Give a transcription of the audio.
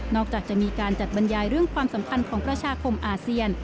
จากจะมีการจัดบรรยายเรื่องความสัมพันธ์ของประชาคมอาเซียน